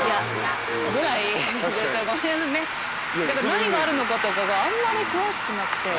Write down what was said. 何があるのかとかがあんまり詳しくなくて。